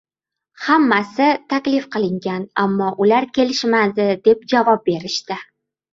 Hammasi taklif qilingan, ammo ular kelishmadi deb javob berishdi.